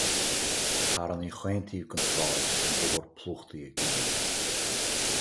Carranna chaon taobh den tsráid, an bóthar plúchta ag daoine.